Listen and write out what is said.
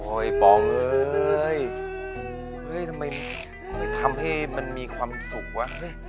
โอ้ยปองเฮ้ยทำไมทำให้มันมีความสุขวะ